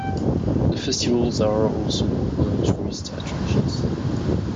The festivals are also popular tourist attractions.